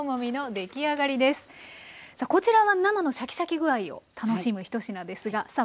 こちらは生のシャキシャキ具合を楽しむひと品ですがさあ